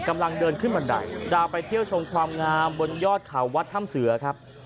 กำลังเดินขึ้นบันไดจะไปเที่ยวชมความงามบนยอดเขาวัดถ้ำเสือครับ